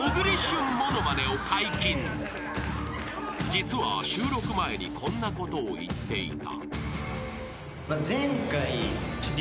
［実は収録前にこんなことを言っていた］